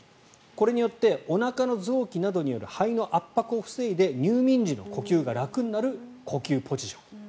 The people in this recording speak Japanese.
これによっておなかの臓器などによる肺の圧迫を防いで入眠時の呼吸が楽になる呼吸ポジション。